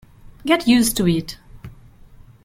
Get used to it!